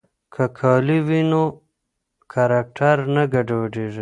که کالي وي نو کرکټر نه ګډوډیږي.